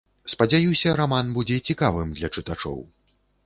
Спадзяюся, раман будзе цікавым для чытачоў.